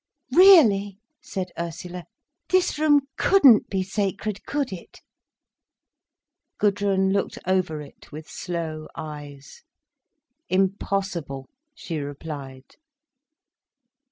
"Really," said Ursula, "this room couldn't be sacred, could it?" Gudrun looked over it with slow eyes. "Impossible," she replied.